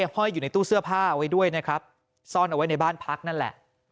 ห้อยอยู่ในตู้เสื้อผ้าไว้ด้วยนะครับซ่อนเอาไว้ในบ้านพักนั่นแหละ